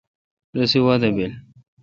رسی وادہ بیل۔